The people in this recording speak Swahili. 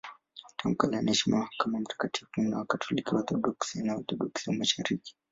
Tangu kale anaheshimiwa kama mtakatifu na Wakatoliki, Waorthodoksi na Waorthodoksi wa Mashariki.